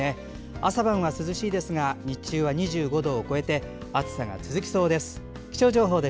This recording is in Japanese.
朝晩は涼しいですが日中の気温は広く２５度を超えて暑さが続きそうです。